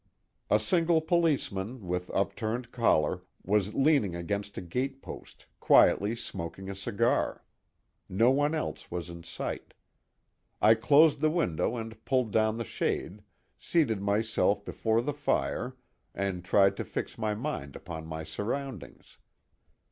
A single policeman, with upturned collar, was leaning against a gatepost, quietly smoking a cigar. No one else was in sight. I closed the window and pulled down the shade, seated myself before the fire and tried to fix my mind upon my surroundings.